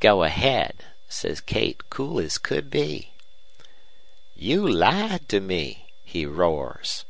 "'Go ahead,' says Kate, cool as could be. "'You lied to me,' he roars.